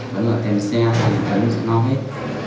tuấn nói tiền xe thì tuấn sẽ no hết